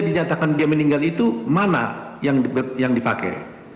dinyatakan dia meninggal itu mana yang dipakai